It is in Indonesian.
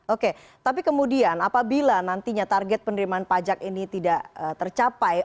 oke tapi kemudian apabila nantinya target penerimaan pajak ini tidak tercapai